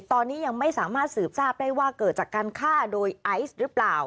ตอนนี้ยังไม่สามารถสืบทราบได้ว่าเกิดจากการฆ่าโดยไอซ์หรือเปล่า